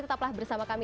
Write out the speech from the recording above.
tetaplah bersama kami